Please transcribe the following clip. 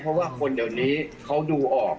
เพราะว่าคนเดี๋ยวนี้เขาดูออก